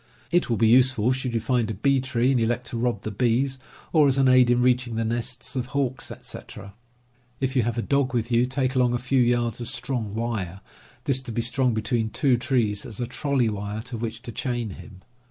It will be useful should you find a bee ^* tree and elect to rob the bees, or as an aid in reaching the nests of hawks, etc. If you have a dog with you, take along a few yards of strong wire, this to be strung between two trees as a "trolley wire," to which to chain him.